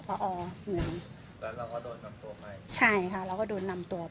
พอแล้วเราก็โดนนำตัวไปใช่ค่ะเราก็โดนนำตัวไป